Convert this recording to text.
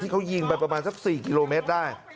เขายิงไปประมาณสัก๔กิโลเมตรได้